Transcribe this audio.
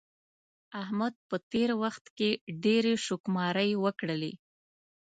احمد په تېر وخت کې ډېرې شوکماری وکړلې.